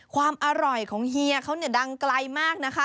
ความอร่อยของเฮียเขาเนี่ยดังไกลมากนะคะ